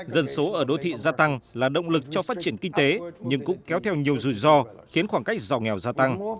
dân số ở đô thị gia tăng là động lực cho phát triển kinh tế nhưng cũng kéo theo nhiều rủi ro khiến khoảng cách giàu nghèo gia tăng